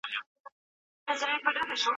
ځواني د یووالي او ورورولۍ د پیاوړي کولو وخت دی.